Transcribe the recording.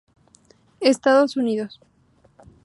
Estados Unidos".